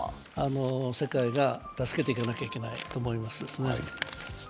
世界が助けていかなければいけないと思いますね。